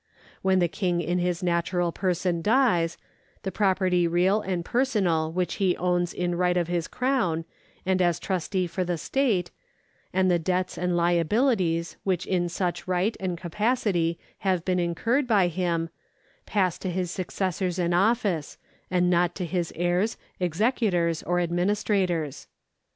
When the King in his natural person dies, the property real and personal which he owns in right of his crown and as trustee for the state, and the debts and Habilities which in such right and capacity have been incurred by him, pass to his successors in office, and not to his heirs, executors, or administrators.